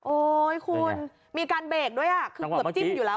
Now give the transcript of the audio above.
โอ้ยคุณมีการเบรกด้วยกอบจิ้มอยู่แล้ว